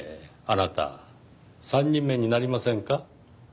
あなた３人目になりませんか？